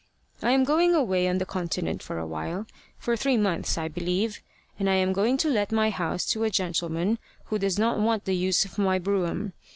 I am going away on the Continent for a while for three months, I believe and I am going to let my house to a gentleman who does not want the use of my brougham.